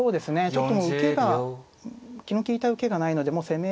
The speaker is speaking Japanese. ちょっともう受けが気の利いた受けがないのでもう攻め。